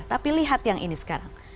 tapi lihat yang ini sekarang